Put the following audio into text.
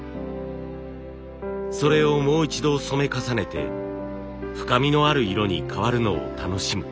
それをもう一度染め重ねて深みのある色に変わるのを楽しむ。